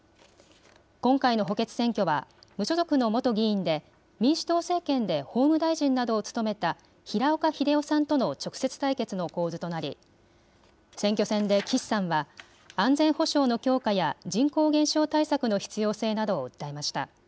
今回の補欠選挙は、無所属の元議員で、民主党政権で法務大臣などを務めた平岡秀夫さんとの直接対決の構図となり、選挙戦で岸さんは安全保障の強化や人口減少対策の必要性などを訴えました。